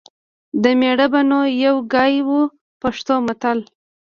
د مېړه به نو یو ګای و . پښتو متل